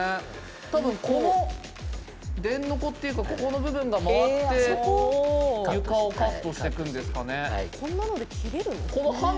多分この電ノコっていうかここの部分が回って床をカットしていくんですかね。